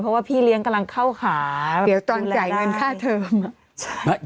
เพราะว่าพี่เลี้ยงกำลังเข้าหาเดี๋ยวตอนจ่ายเงินค่าเทิม